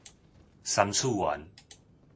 三次元